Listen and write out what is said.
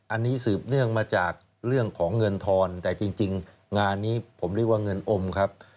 อันนี้สืบเนื่องมาจากเรื่องของเงินทอนแต่จริงงานนี้ผมเรียกว่าเงินอมครับ